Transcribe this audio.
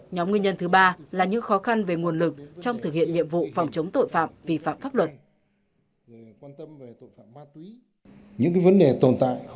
nhóm nguyên nhân thứ ba là những khó khăn về nguồn lực trong thực hiện nhiệm vụ phòng chống tội phạm vi phạm pháp luật